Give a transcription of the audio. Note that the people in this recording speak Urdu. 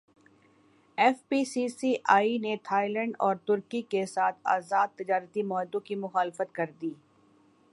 F P C C I نے تھائی لینڈ اور ترکی کیساتھ ازاد تجارتی معاہدوں کی مخالفت کردی